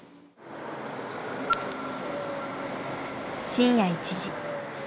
深夜１時。